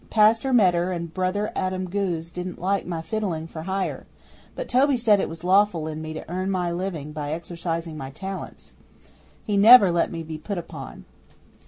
Pastor Meder and Brother Adam Goos didn't like my fiddling for hire, but Toby said it was lawful in me to earn my living by exercising my talents. He never let me be put upon.